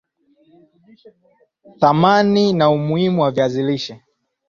Thamani na umuhimu wa viazi lishe